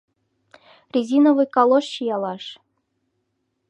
Резиновый калош чиялаш.